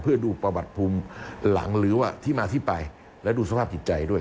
เพื่อดูประวัติภูมิหลังหรือว่าที่มาที่ไปและดูสภาพจิตใจด้วย